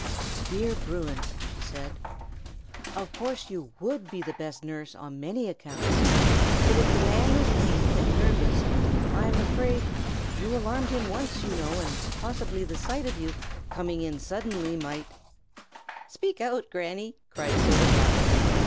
"Dear Bruin," she said, "of course you would be the best nurse on many accounts; but if the man is weak and nervous, I am afraid you alarmed him once, you know, and possibly the sight of you, coming in suddenly, might " "Speak out, Granny!" cried Toto, laughing.